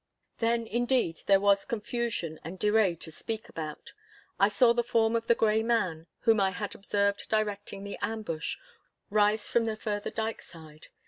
Then indeed there was confusion and deray to speak about. I saw the form of the Grey Man, whom I had observed directing the ambush, rise from the further dyke side.